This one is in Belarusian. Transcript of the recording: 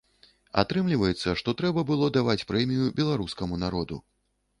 Атрымліваецца, што трэба было даваць прэмію беларускаму народу.